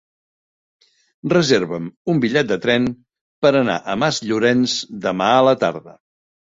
Reserva'm un bitllet de tren per anar a Masllorenç demà a la tarda.